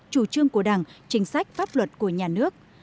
chủ trương của đảng chính sách pháp luật của nhà nước